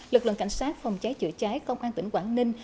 lực lượng cảnh sát phòng cháy chữa cháy công an tỉnh quảng ninh